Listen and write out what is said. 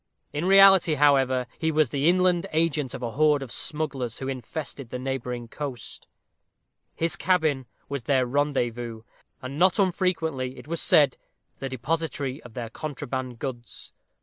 In reality, however, he was the inland agent of a horde of smugglers who infested the neighboring coast; his cabin was their rendezvous; and not unfrequently, it was said, the depository of their contraband goods.